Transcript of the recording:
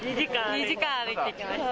２時間歩いてきました。